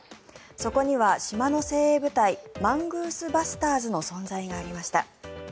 そこには島の精鋭部隊マングースバスターズの存在がありました。